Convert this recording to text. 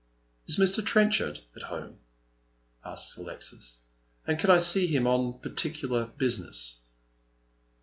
" is Mr. Trenchard at home ?" asks Alexis, " and can I see him on particular business